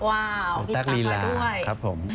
ว้าวพี่ตั๊กก็ด้วยตั๊กลีลาครับผม